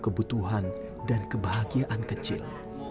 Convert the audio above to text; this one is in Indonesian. kebutuhan dan kebahagiaan kecil